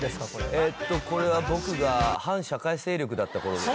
えーっとこれは僕が反社会勢力だった頃ですね。